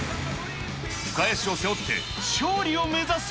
深谷市を背負って勝利を目指す。